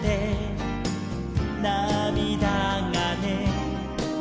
「なみだがね」